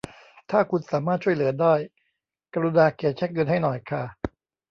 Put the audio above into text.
ถ้าคุณสามารถช่วยเหลือได้ กรุณาเขียนเช็คเงินให้หน่อยค่ะ